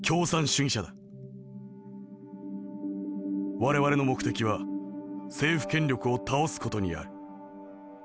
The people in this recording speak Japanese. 我々の目的は政府権力を倒す事にある。